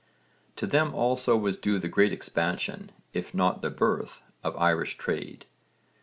To them also was due the great expansion, if not the birth, of Irish trade.